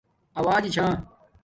اݸجی چھݳ